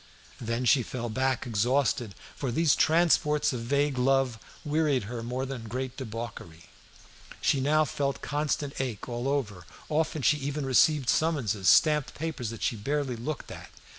Then she fell back exhausted, for these transports of vague love wearied her more than great debauchery. She now felt constant ache all over her. Often she even received summonses, stamped paper that she barely looked at.